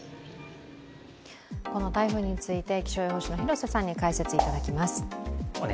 この台風について気象予報士の広瀬さんに解説していただきます。